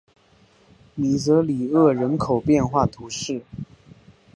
米泽里厄人口变化图示